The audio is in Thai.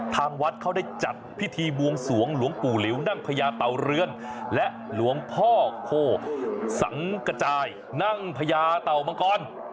ทางวัดเขาได้จัดพิธีบวงสวงหลวงปู่หลิวนั่งพญาเต่าเรือนและหลวงพ่อโคสังกระจายนั่งพญาเต่ามังกร